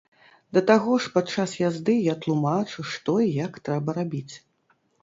Да таго ж падчас язды я тлумачу, што і як трэба рабіць.